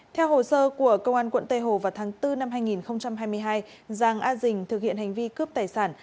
theo hồ sơ của công an quận tây hồ vào tháng bốn năm hai nghìn hai mươi hai giàng a dình thực hiện hành vi cướp tài sản